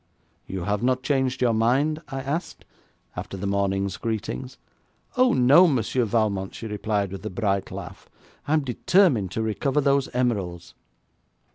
'You have not changed your mind?' I asked, after the morning's greetings. 'Oh, no, Monsieur Valmont,' she replied, with a bright laugh. 'I am determined to recover those emeralds.'